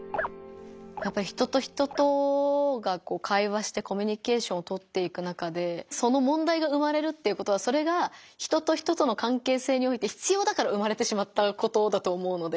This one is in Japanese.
やっぱり人と人とが会話してコミュニケーションをとっていく中でそのもんだいが生まれるっていうことはそれが人と人との関係性において必要だから生まれてしまったことだと思うので。